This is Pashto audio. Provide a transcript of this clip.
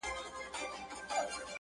o نن مي بيا يادېږي ورځ تېرېږي.